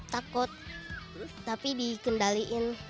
takut tapi dikendaliin